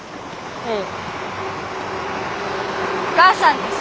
うん。